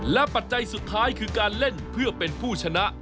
และปัจจัยสุดท้ายคือการเล่นเพื่อเป็นผู้ชนะ